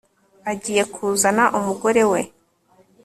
agiye kuzana umugore we